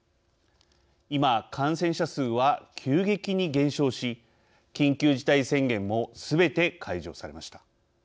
今、感染者数は急激に減少し緊急事態宣言もすべて解除されました。